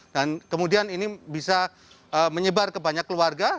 dan kemudian ini bisa menyebar ke banyak keluarga